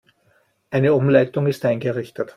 Eine Umleitung ist eingerichtet.